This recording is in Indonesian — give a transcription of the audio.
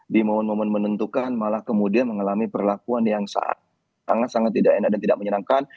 di momen momen menentukan malah kemudian mengalami perlakuan yang sangat sangat tidak enak dan tidak menyenangkan